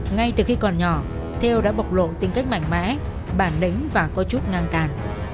ngay từ khi còn nhỏ theo đã bộc lộ tính cách mạnh mẽ bản lĩnh và có chút ngang tàn